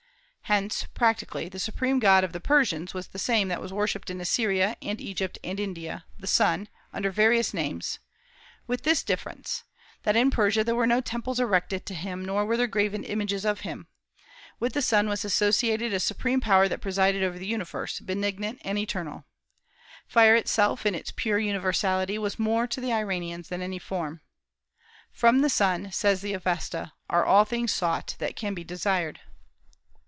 Hence, practically, the supreme god of the Persians was the same that was worshipped in Assyria and Egypt and India, the sun, under various names; with this difference, that in Persia there were no temples erected to him, nor were there graven images of him. With the sun was associated a supreme power that presided over the universe, benignant and eternal. Fire itself in its pure universality was more to the Iranians than any form. "From the sun," says the Avesta, "are all things sought that can be desired."